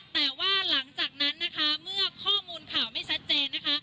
แต่ว่าหลังจากนั้นนะคะเมื่อข้อมูลข่าวไม่ชัดเจนนะคะ